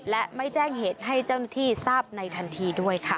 และไม่แจ้งเหตุให้เจ้าหน้าที่ทราบในทันทีด้วยค่ะ